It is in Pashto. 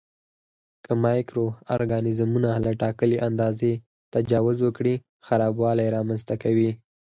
که مایکرو ارګانیزمونه له ټاکلي اندازې تجاوز وکړي خرابوالی رامینځته کوي.